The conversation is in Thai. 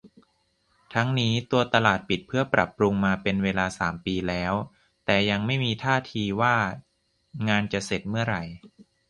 ทั้งนี้ตัวตลาดปิดเพื่อปรับปรุงมาเป็นเวลา สาม ปีแล้ว แต่ยังไม่มีท่าทีว่างานจะเสร็จเมื่อไหร่